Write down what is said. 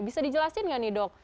bisa dijelasin nggak nih dok